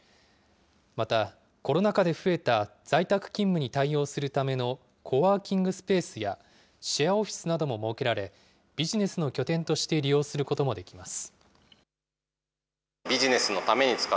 また、コロナ禍で増えた在宅勤務に対応するためのコワーキングスペースや、シェアオフィスなども設けられ、ビジネスの拠点として利用することもできます。